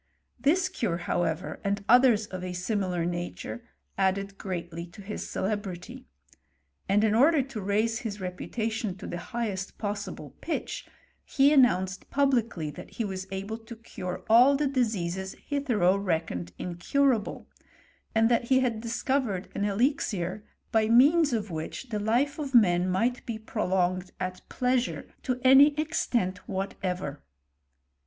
This cure, however, and others of a similar nature, added greatly to his celebrity ; and in order to raise his reputation to the highest possible pitch, ho, announced publicly that he was able to cure all the diseases hitherto reckoned incurable ; and that he had discovered an elixir, by means of which the life of man might be prolonged at pleasure to any extent whatever.